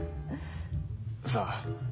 さあ。